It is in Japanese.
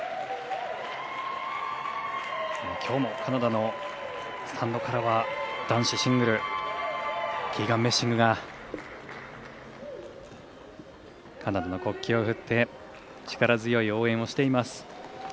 きょうもカナダのスタンドからは男子シングルキーガン・メッシングがカナダの国旗を振って力強い応援をしています。